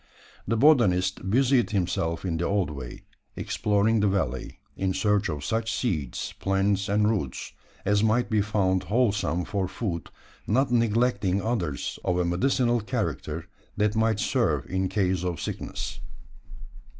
The botanist busied himself in the old way, exploring the valley, in search of such seeds, plants, and roots, as might be found wholesome for food not neglecting others of a medicinal character, that might serve in case of sickness.